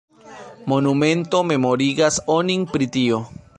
Monumento memorigas onin pri tio.